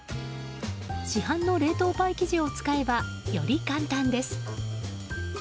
市販の冷凍パイ生地を使えばより簡単です。